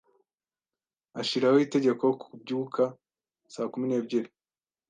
Ashiraho itegeko kubyuka saa kumi n'ebyiri.